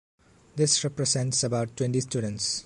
This represents about twenty students.